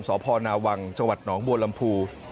สพนาวังจหนองบัวลำพู